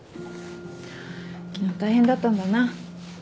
昨日大変だったんだな。